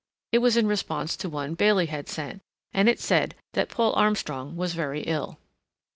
It was in response to one Bailey had sent, and it said that Paul Armstrong was very ill.